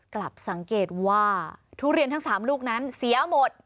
กลับสังเกตว่าทุเรียนทั้ง๓ลูกนั้นเสียหมด